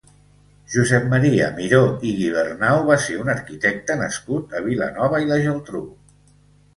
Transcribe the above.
Josep Maria Miró i Guibernau va ser un arquitecte nascut a Vilanova i la Geltrú.